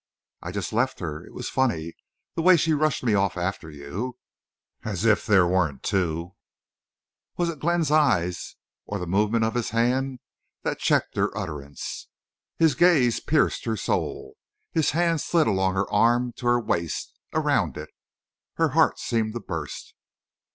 "I just left her. It was funny—the way she rushed me off after you. As if there weren't two—" Was it Glenn's eyes or the movement of his hand that checked her utterance? His gaze pierced her soul. His hand slid along her arm to her waist—around it. Her heart seemed to burst.